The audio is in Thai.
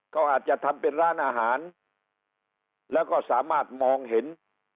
เขาอาจจะทำเป็นร้านอาหารแล้วก็สามารถมองเห็น